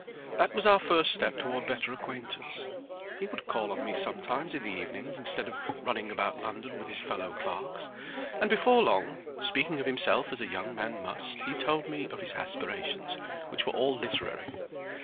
That was our first step toward better acquaintance. He would call on me sometimes in the evenings instead of running about London with his fellow clerks; and before long, speaking of himself as a young man must, he told me of his aspirations, which were all literary.